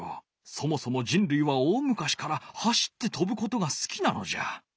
そもそもじんるいは大むかしから走ってとぶことが好きなのじゃ。